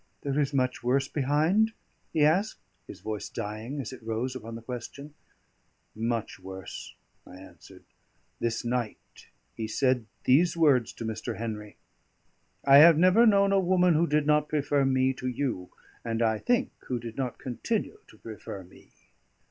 "There is much worse behind?" he asked, his voice dying as it rose upon the question. "Much worse," I answered. "This night he said these words to Mr. Henry: 'I have never known a woman who did not prefer me to you, and I think who did not continue to prefer me.'"